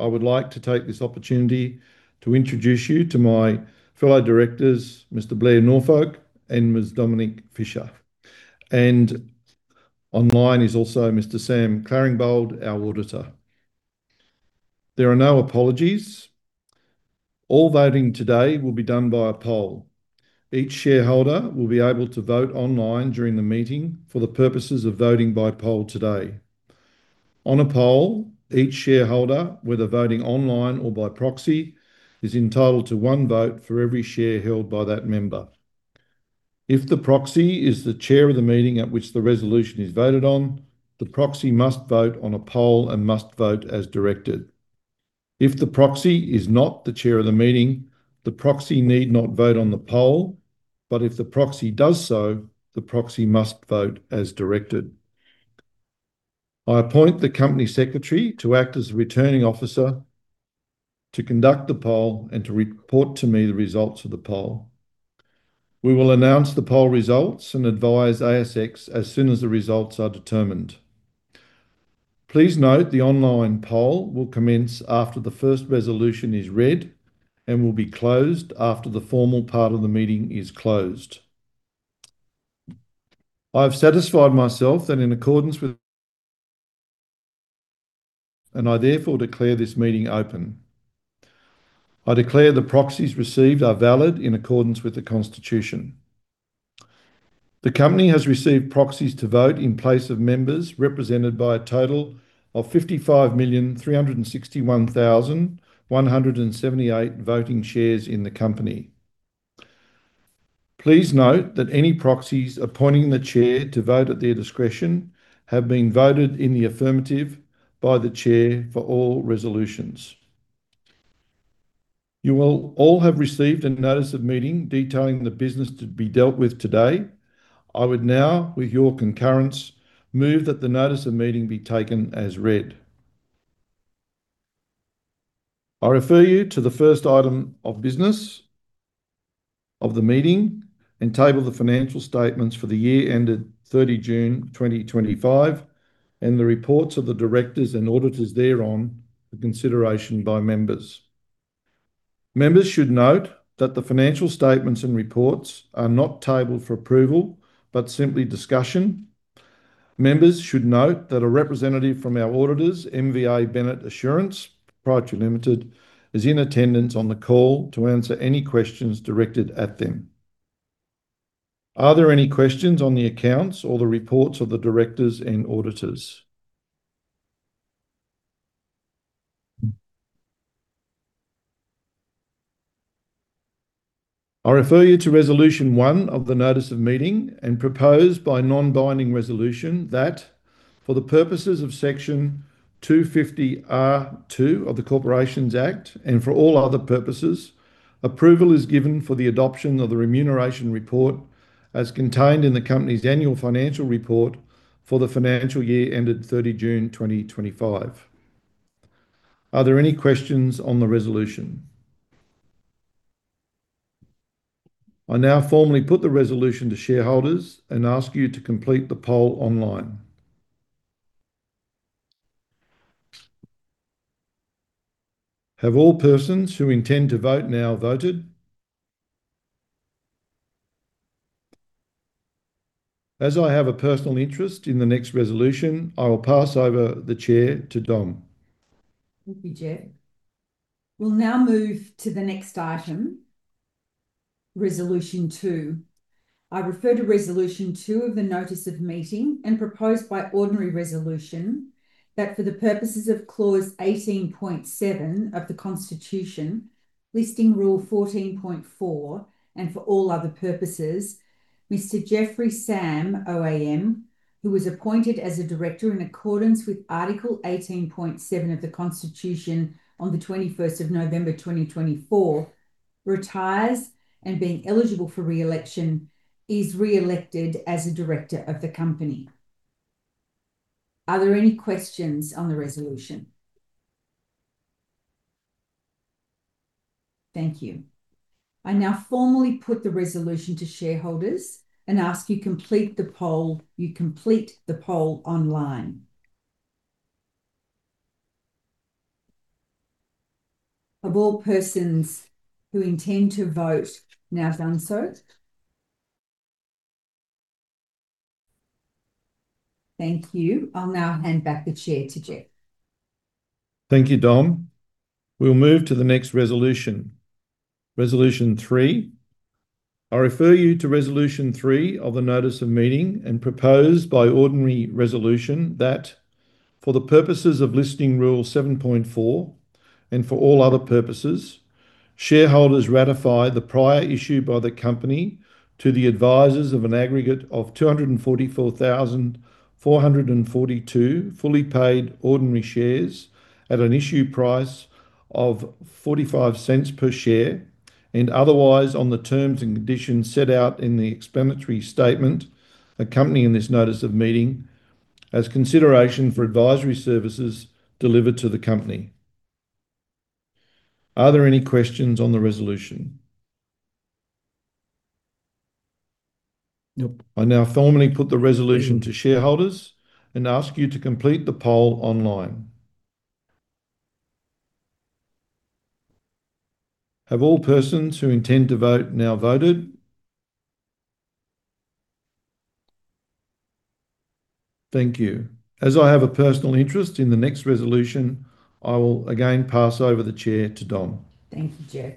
I would like to take this opportunity to introduce you to my fellow Directors, Mr. Blair Norfolk and Ms. Dominique Fisher. Online is also Mr. Sam Claringbold, our Auditor. There are no apologies. All voting today will be done by a poll. Each shareholder will be able to vote online during the meeting for the purposes of voting by poll today. On a poll, each shareholder, whether voting online or by proxy, is entitled to one vote for every share held by that member. If the proxy is the chair of the meeting at which the resolution is voted on, the proxy must vote on a poll and must vote as directed. If the proxy is not the chair of the meeting, the proxy need not vote on the poll, but if the proxy does so, the proxy must vote as directed. I appoint the company secretary to act as a returning officer to conduct the poll and to report to me the results of the poll. We will announce the poll results and advise ASX as soon as the results are determined. Please note the online poll will commence after the first resolution is read and will be closed after the formal part of the meeting is closed. I have satisfied myself that in accordance with, and I therefore declare this meeting open. I declare the proxies received are valid in accordance with the Constitution. The company has received proxies to vote in place of members represented by a total of 55,361,178 voting shares in the company. Please note that any proxies appointing the chair to vote at their discretion have been voted in the affirmative by the chair for all resolutions. You will all have received a notice of meeting detailing the business to be dealt with today. I would now, with your concurrence, move that the notice of meeting be taken as read. I refer you to the first item of business of the meeting and table the financial statements for the year ended 30 June 2025 and the reports of the Directors and Auditors thereon for consideration by members. Members should note that the financial statements and reports are not tabled for approval but simply discussion. Members should note that a representative from our Auditors, MVA Bennett Assurance Proprietary Limited, is in attendance on the call to answer any questions directed at them. Are there any questions on the accounts or the reports of the Directors and Auditors? I refer you to Resolution 1 of the notice of meeting and propose by non-binding resolution that for the purposes of Section 250A(2) of the Corporations Act and for all other purposes, approval is given for the adoption of the remuneration report as contained in the company's annual financial report for the financial year ended 30 June 2025. Are there any questions on the resolution? I now formally put the resolution to shareholders and ask you to complete the poll online. Have all persons who intend to vote now voted? As I have a personal interest in the next resolution, I will pass over the chair to Dom. Thank you, Geoff. We'll now move to the next item, Resolution 2. I refer to Resolution 2 of the notice of meeting and propose by ordinary resolution that for the purposes of clause 18.7 of the Constitution, listing rule 14.4, and for all other purposes, Mr. Geoffrey Sam, OAM, who was appointed as a Director in accordance with article 18.7 of the Constitution on the 21st of November 2024, retires and being eligible for re-election, is re-elected as a Director of the company. Are there any questions on the resolution? Thank you. I now formally put the resolution to shareholders and ask you complete the poll online. Have all persons who intend to vote now done so? Thank you. I'll now hand back the chair to Geoff. Thank you, Dom. We'll move to the next resolution, Resolution 3. I refer you to Resolution 3 of the notice of meeting and propose by ordinary resolution that for the purposes of listing rule 7.4 and for all other purposes, shareholders ratify the prior issue by the company to the advisors of an aggregate of 244,442 fully paid ordinary shares at an issue price of 0.45 per share and otherwise on the terms and conditions set out in the explanatory statement accompanying this notice of meeting as consideration for advisory services delivered to the company. Are there any questions on the resolution? Nope. I now formally put the resolution to shareholders and ask you to complete the poll online. Have all persons who intend to vote now voted? Thank you. As I have a personal interest in the next resolution, I will again pass over the chair to Dom. Thank you, Geoff.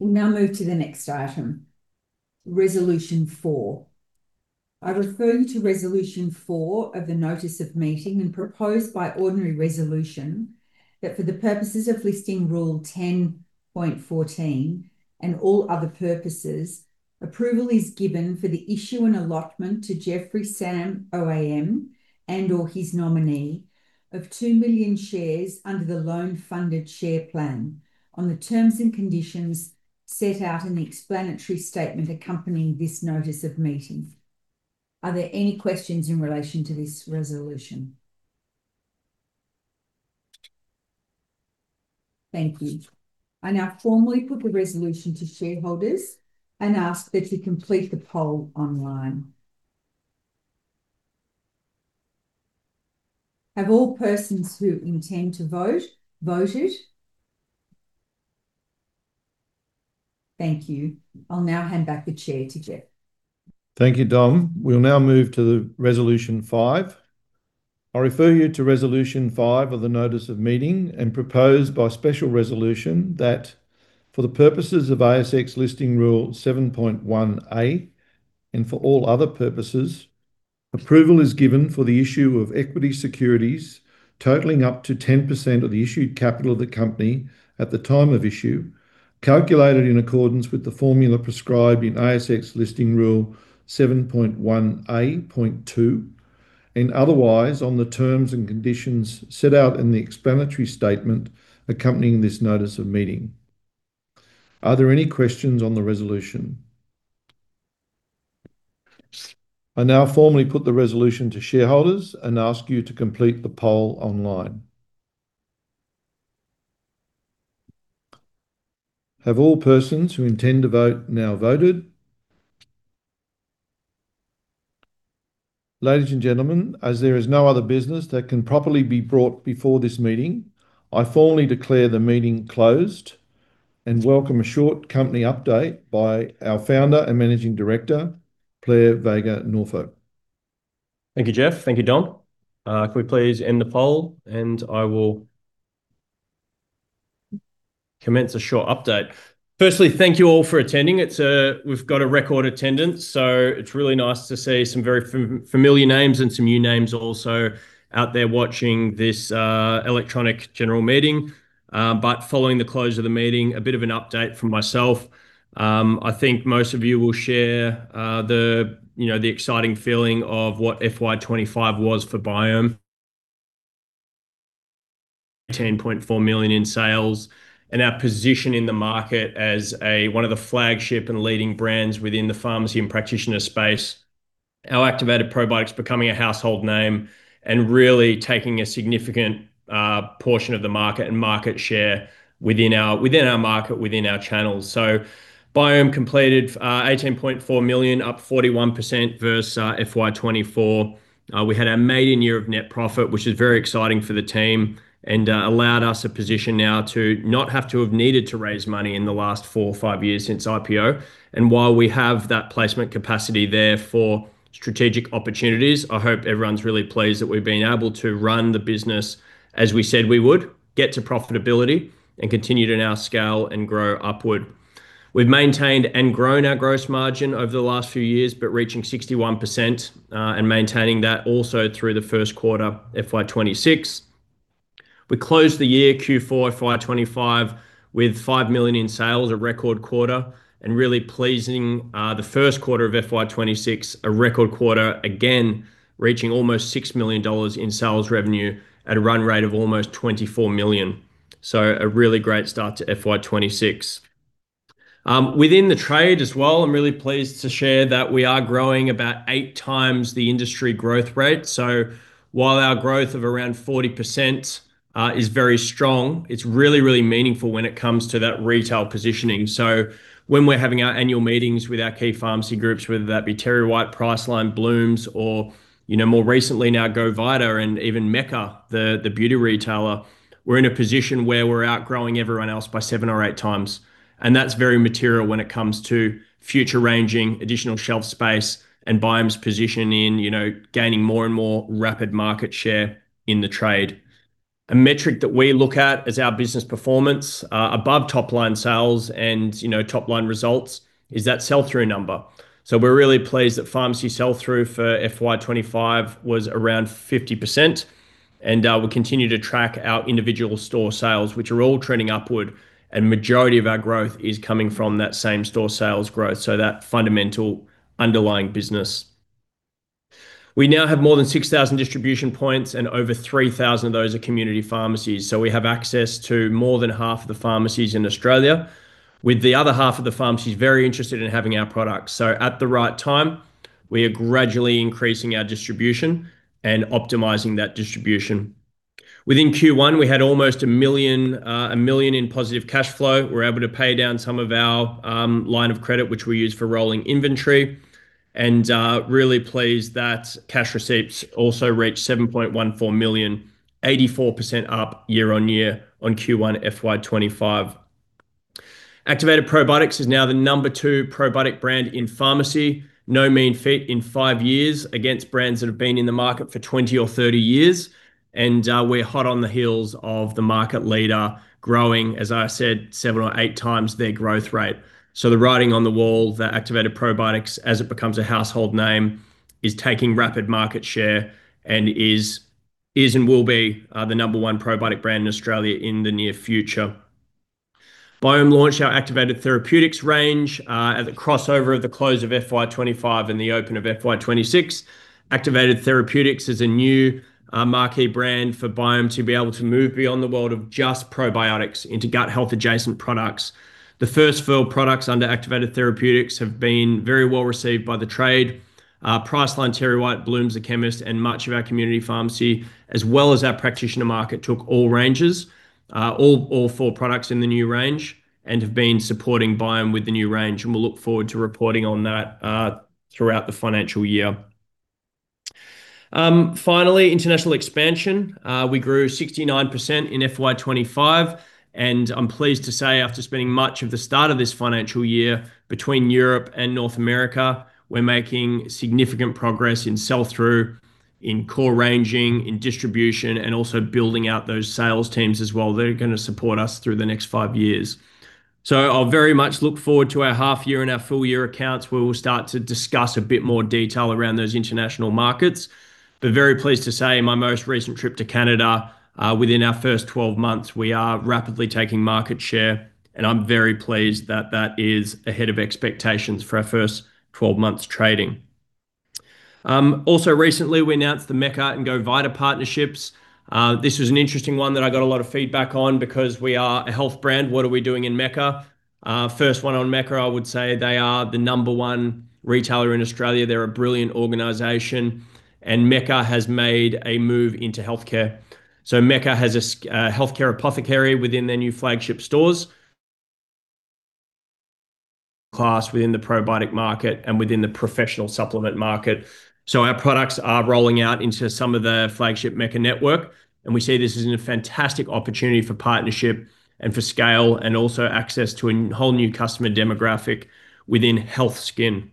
We'll now move to the next item, Resolution 4. I refer you to Resolution 4 of the notice of meeting and propose by ordinary resolution that for the purposes of Listing Rule 10.14 and all other purposes, approval is given for the issue and allotment to Geoffrey Sam, OAM, and/or his nominee of 2 million shares under the loan-funded share plan on the terms and conditions set out in the explanatory statement accompanying this notice of meeting. Are there any questions in relation to this resolution? Thank you. I now formally put the resolution to shareholders and ask that you complete the poll online. Have all persons who intend to vote voted? Thank you. I'll now hand back the chair to Geoff. Thank you, Dom. We'll now move to Resolution 5. I refer you to Resolution 5 of the notice of meeting and propose by special resolution that for the purposes of ASX Listing Rule 7.1A and for all other purposes, approval is given for the issue of equity securities totaling up to 10% of the issued capital of the company at the time of issue, calculated in accordance with the formula prescribed in ASX Listing Rule 7.1A.2 and otherwise on the terms and conditions set out in the explanatory statement accompanying this notice of meeting. Are there any questions on the resolution? I now formally put the resolution to shareholders and ask you to complete the poll online. Have all persons who intend to vote now voted? Ladies and gentlemen, as there is no other business that can properly be brought before this meeting, I formally declare the meeting closed and welcome a short company update by our Founder and Managing Director, Blair Vega Norfolk. Thank you, Geoff. Thank you, Dom. Can we please end the poll and I will commence a short update. Firstly, thank you all for attending. We've got a record attendance, so it's really nice to see some very familiar names and some new names also out there watching this electronic general meeting. Following the close of the meeting, a bit of an update from myself. I think most of you will share the exciting feeling of what FY 2025 was for Biome. 10.4 million in sales and our position in the market as one of the flagship and leading brands within the pharmacy and practitioner space. Our Activated Probiotics becoming a household name and really taking a significant portion of the market and market share within our market, within our channels. Biome completed 18.4 million, up 41% versus FY 2024. We had a made-in-year of net profit, which is very exciting for the team and allowed us a position now to not have to have needed to raise money in the last four or five years since IPO. While we have that placement capacity there for strategic opportunities, I hope everyone's really pleased that we've been able to run the business as we said we would, get to profitability, and continue to now scale and grow upward. We've maintained and grown our gross margin over the last few years, reaching 61% and maintaining that also through the first quarter, FY 2026. We closed the year Q4 FY 2025 with 5 million in sales, a record quarter, and really pleasing the first quarter of FY 2026, a record quarter, again reaching almost 6 million dollars in sales revenue at a run rate of almost 24 million. A really great start to FY 2026. Within the trade as well, I'm really pleased to share that we are growing about eight times the industry growth rate. While our growth of around 40% is very strong, it's really, really meaningful when it comes to that retail positioning. When we're having our annual meetings with our key pharmacy groups, whether that be TerryWhite, Priceline, Blooms, or more recently now Go Vita and even Mecca, the beauty retailer, we're in a position where we're outgrowing everyone else by seven or eight times. That is very material when it comes to future ranging, additional shelf space, and Biome's position in gaining more and more rapid market share in the trade. A metric that we look at as our business performance above top-line sales and top-line results is that sell-through number. We're really pleased that pharmacy sell-through for FY 2025 was around 50%, and we'll continue to track our individual store sales, which are all trending upward, and the majority of our growth is coming from that same store sales growth, so that fundamental underlying business. We now have more than 6,000 distribution points, and over 3,000 of those are community pharmacies. We have access to more than half of the pharmacies in Australia, with the other half of the pharmacies very interested in having our products. At the right time, we are gradually increasing our distribution and optimizing that distribution. Within Q1, we had almost 1 million in positive cash flow. We're able to pay down some of our line of credit, which we use for rolling inventory, and really pleased that cash receipts also reached 7.14 million, 84% up year on year on Q1 FY 2025. Activated Probiotics is now the number two probiotic brand in pharmacy, no mean feat in five years against brands that have been in the market for 20 or 30 years. We're hot on the heels of the market leader, growing, as I said, seven or eight times their growth rate. The writing on the wall, the Activated Probiotics, as it becomes a household name, is taking rapid market share and is and will be the number one probiotic brand in Australia in the near future. Biome launched our Activated Therapeutics range at the crossover of the close of FY 2025 and the open of FY 2026. Activated Therapeutics is a new marquee brand for Biome to be able to move beyond the world of just probiotics into gut health-adjacent products. The first-fill products under Activated Therapeutics have been very well received by the trade. Priceline, TerryWhite, Blooms, the Chemist, and much of our community pharmacy, as well as our practitioner market, took all ranges, all four products in the new range, and have been supporting Biome with the new range. We will look forward to reporting on that throughout the financial year. Finally, international expansion. We grew 69% in FY 2025, and I'm pleased to say after spending much of the start of this financial year between Europe and North America, we're making significant progress in sell-through, in core ranging, in distribution, and also building out those sales teams as well. They are going to support us through the next five years. I very much look forward to our half-year and our full-year accounts where we will start to discuss a bit more detail around those international markets. Very pleased to say, my most recent trip to Canada, within our first 12 months, we are rapidly taking market share, and I'm very pleased that that is ahead of expectations for our first 12 months trading. Also, recently, we announced the Mecca and Go Vita partnerships. This was an interesting one that I got a lot of feedback on because we are a health brand. What are we doing in Mecca? First one on Mecca, I would say they are the number one retailer in Australia. They're a brilliant organization, and Mecca has made a move into healthcare. Mecca has a healthcare apothecary within their new flagship stores class within the probiotic market and within the professional supplement market. Our products are rolling out into some of the flagship Mecca network, and we see this as a fantastic opportunity for partnership and for scale and also access to a whole new customer demographic within health skin.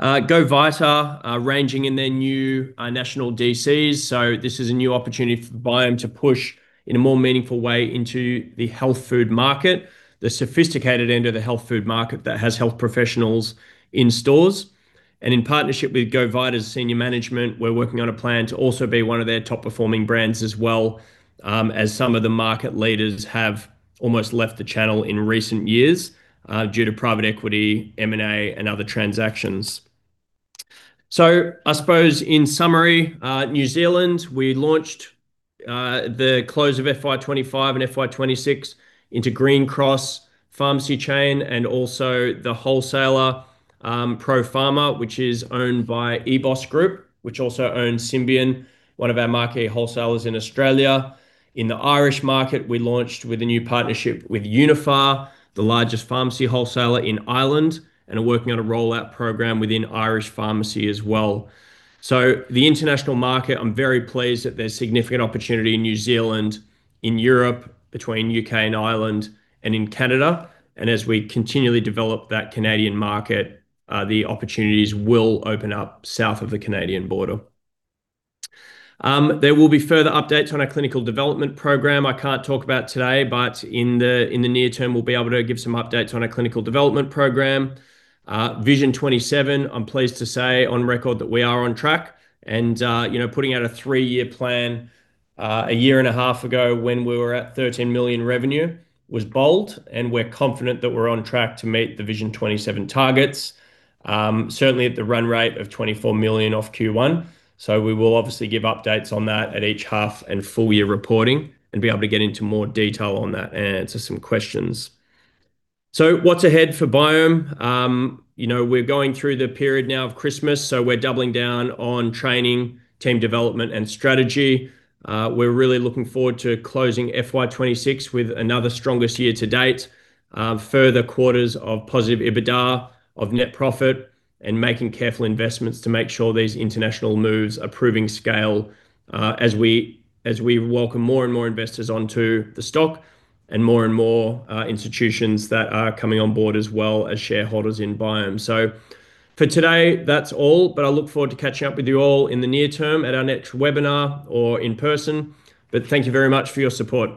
Go Vita are ranging in their new national DCs. This is a new opportunity for Biome to push in a more meaningful way into the health food market, the sophisticated end of the health food market that has health professionals in stores. In partnership with Go Vita's senior management, we're working on a plan to also be one of their top-performing brands as well, as some of the market leaders have almost left the channel in recent years due to private equity, M&A, and other transactions. I suppose, in summary, New Zealand, we launched at the close of FY 2025 and FY 2026 into Green Cross pharmacy chain and also the wholesaler Propharma, which is owned by EBOS Group, which also owns Symbion, one of our marquee wholesalers in Australia. In the Irish market, we launched with a new partnership with Uniphar, the largest pharmacy wholesaler in Ireland, and are working on a rollout program within Irish pharmacy as well. The international market, I'm very pleased that there's significant opportunity in New Zealand, in Europe, between the U.K. and Ireland, and in Canada. As we continually develop that Canadian market, the opportunities will open up south of the Canadian border. There will be further updates on our clinical development program. I can't talk about that today, but in the near term, we'll be able to give some updates on our clinical development program. Vision 27, I'm pleased to say on record that we are on track. Putting out a three-year plan a year and a half ago when we were at 13 million revenue was bold, and we're confident that we're on track to meet the Vision 27 targets, certainly at the run rate of 24 million off Q1. We will obviously give updates on that at each half and full-year reporting and be able to get into more detail on that and answer some questions. What's ahead for Biome? We're going through the period now of Christmas, so we're doubling down on training, team development, and strategy. We're really looking forward to closing FY 2026 with another strongest year to date, further quarters of positive EBITDA, of net profit, and making careful investments to make sure these international moves are proving scale as we welcome more and more investors onto the stock and more and more institutions that are coming on board as well as shareholders in Biome. For today, that's all, but I look forward to catching up with you all in the near term at our next webinar or in person. Thank you very much for your support.